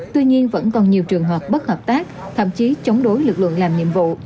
tuy nhiên vẫn còn nhiều trường hợp bất hợp tác thậm chí chống đối lực lượng làm nhiệm vụ